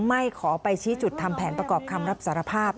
ไม่ขอไปชี้จุดทำแผนประกอบคำรับสารภาพ